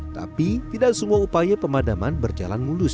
tapi tidak semua upaya pemadaman berjalan mulus